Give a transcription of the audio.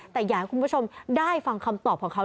แต่อยากให้คุณผู้ชมได้ฟังคำตอบของเขา